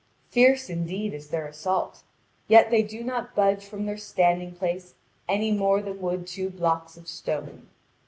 Fierce, indeed, is their assault; yet they do not budge from their standing place any more than would two blocks of stone.